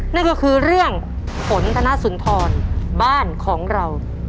นั่นก็คือเรื่องฝนธนสุนทรบ้านของเรา